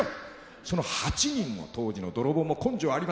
その８人の当時の泥棒も根性ありますな。